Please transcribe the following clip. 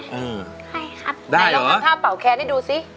ได้ครับได้เหรอนายลองทำภาพเป่าแคนให้ดูซิ